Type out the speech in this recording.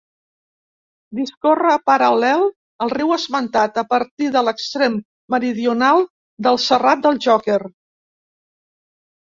Discorre paral·lel al riu esmentat, a partir de l'extrem meridional del Serrat del Joquer.